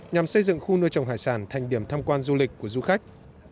nhằm xây dựng khu nuôi trồng hải sản thành điểm tham quan du lịch của du khách